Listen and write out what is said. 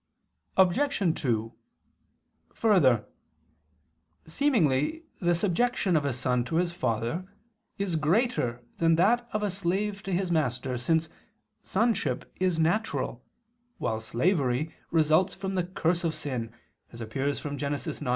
Obj. 2: Further, seemingly the subjection of a son to his father is greater than that of a slave to his master, since sonship is natural, while slavery results from the curse of sin, as appears from Gen. 9:25.